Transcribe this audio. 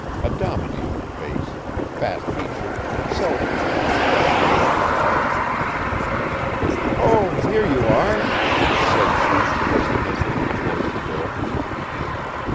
A dominating face, fat featured, selfish, and made up by art. "Oh, here you are," said she as he entered and closed the door.